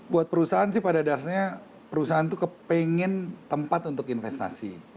buat perusahaan sih pada dasarnya perusahaan itu kepengen tempat untuk investasi